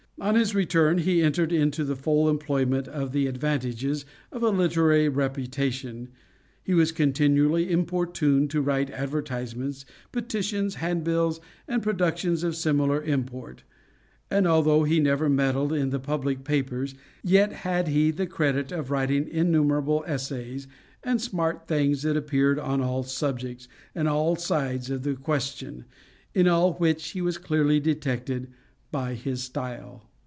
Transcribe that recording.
On his return he entered into the full enjoyment of the advantages of a literary reputation. He was continually importuned to write advertisements, petitions, handbills, and productions of similar import; and, although he never meddled with the public papers, yet had he the credit of writing innumerable essays, and smart things, that appeared on all subjects, and all sides of the question, in all which he was clearly detected "by his style."